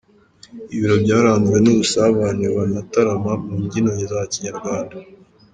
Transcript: Ibiro byaranzwe n’ubusabane, banatarama mu mbyino za kinyarwanda.